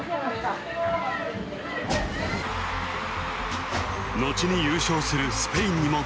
後に優勝するスペインにも大勝。